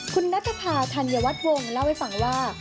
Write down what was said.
คุณนัทภาธัญวัฒน์วงศ์เล่าให้ฟังว่า